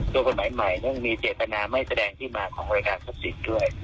ตัวผลหมายใหม่เรื่องมีเจตนาไม่แสดงที่มาของวัยกาศพศิษย์ด้วย